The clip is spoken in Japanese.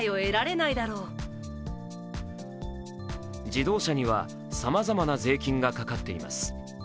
自動車には、さまざまな税金がかかっています。